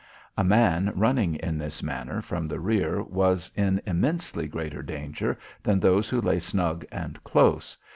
A man running in this manner from the rear was in immensely greater danger than those who lay snug and close.